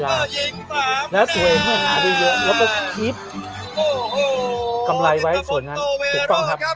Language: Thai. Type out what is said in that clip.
และสวยเฮ่อหาด้วยเยอะแล้วก็คิดกำไรไว้ส่วนนั้นถูกต้องครับ